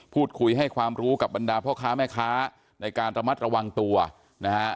พูดคุยให้ความรู้กับบรรดาพ่อค้าแม่ค้าในการระมัดระวังตัวนะฮะ